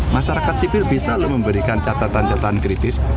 masyarakat sipil bisa loh memberikan catatan catatan kritis